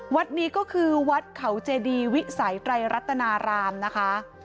วัดนี้ก็คือวัดเขาเจดีวิสัยไตรรัตนารามนะคะ